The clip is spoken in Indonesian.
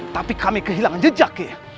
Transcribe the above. tapi kami kehilangan jejak ya